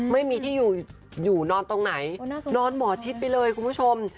ไม่มีที่อยู่นอนตรงไหนนอนหมอชิดไปเลยคุณผู้ชม